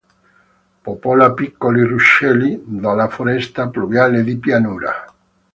Popola piccoli ruscelli della foresta pluviale di pianura.